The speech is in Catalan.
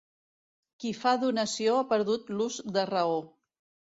Qui fa donació ha perdut l'ús de raó.